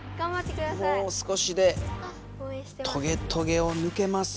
もう少しでトゲトゲをぬけます。